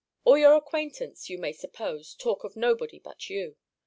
All your acquaintance, you may suppose, talk of nobody but you.